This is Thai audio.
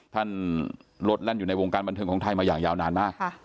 ลดแล่นอยู่ในวงการบันเทิงของไทยมาอย่างยาวนานมาก